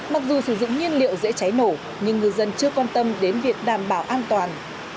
mặc dù sử dụng nhiên liệu dễ cháy nổ nhưng ngư dân chưa quan tâm đến việc đảm bảo an toàn